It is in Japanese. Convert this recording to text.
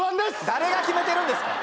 誰が決めてるんですか？